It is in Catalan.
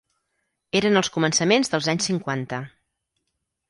Eren els començaments dels anys cinquanta.